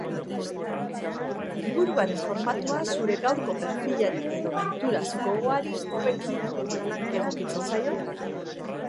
Liburuaren formatua zure gaurko perfilari, edo menturaz gogoari, hobeki egokitzen zaio?